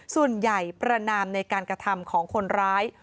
ส่วนใหญ่ประนามในการกระทำของคนร้าย